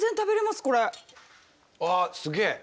あっすげえ。